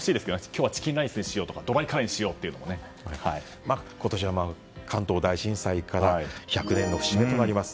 今日はチキンライスにしようとか今年は関東大震災から１００年の節目となります。